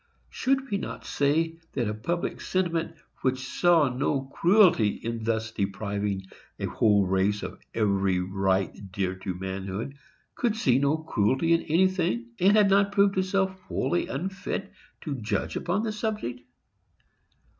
Should we not say that a public sentiment which saw no cruelty in thus depriving a whole race of every right dear to manhood could see no cruelty in anything, and had proved itself wholly unfit to judge upon the subject?